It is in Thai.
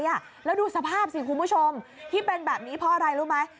แล้วดูสภาพสิคุณผู้ชมที่เป็นแบบนี้เพราะอะไรรู้ไหม